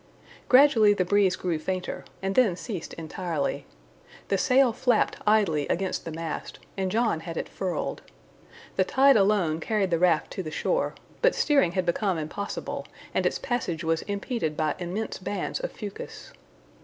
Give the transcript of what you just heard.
Gradually the breeze grew fainter, and then ceased entirely. The sail flapped idly against the mast, and John had it furled. The tide alone carried the raft to the shore, but steering had become impossible, and its passage was impeded by immense bands of FUCUS.